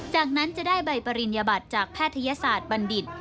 จากนั้นจะได้ใบปริญญบัตรจากแพทยศาสตร์บัณฑิต